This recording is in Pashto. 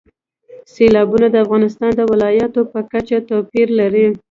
سیلابونه د افغانستان د ولایاتو په کچه توپیر لري.